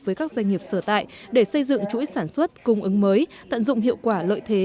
với các doanh nghiệp sở tại để xây dựng chuỗi sản xuất cung ứng mới tận dụng hiệu quả lợi thế